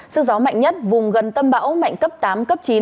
sức gió mạnh nhất vùng gần tâm bão mạnh cấp tám cấp chín